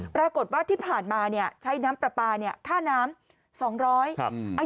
ปรากฏว่าที่ผ่านมาใช้น้ำปลาปลาค่าน้ำ๒๐๐บาท